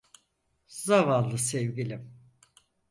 Zavallı sevgilim.